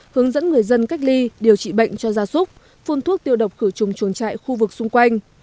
hướng dẫn người dân cách ly điều trị bệnh cho gia súc phun thuốc tiêu độc khử trùng chuồng trại khu vực xung quanh